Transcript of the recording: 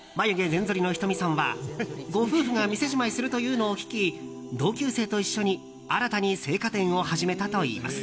全ぞりのヒトミさんはご夫婦が店じまいするというのを聞き同級生と一緒に新たに青果店を始めたといいます。